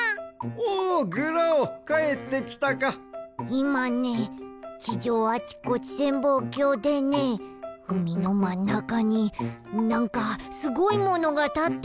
いまね地上あちこち潜望鏡でねうみのまんなかになんかすごいものがたってるのをみたよ。